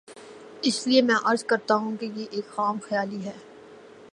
اس لیے میں عرض کرتا ہوں کہ یہ ایک خام خیالی ہے۔